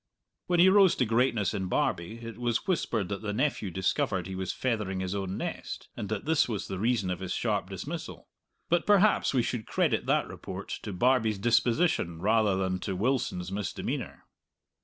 When he rose to greatness in Barbie it was whispered that the nephew discovered he was feathering his own nest, and that this was the reason of his sharp dismissal. But perhaps we should credit that report to Barbie's disposition rather than to Wilson's misdemeanour.